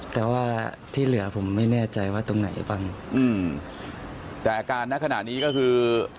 แต่ว่าที่เหลือผมไม่แน่ใจว่าตรงไหนบ้างอืมแต่อาการในขณะนี้ก็คือ